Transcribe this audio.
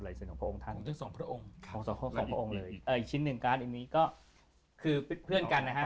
สิ่งของพระองค์ท่านทั้งสองพระองค์ของสองพระองค์เลยเอ่ออีกชิ้นหนึ่งการ์ดองค์นี้ก็คือเป็นเพื่อนกันนะฮะ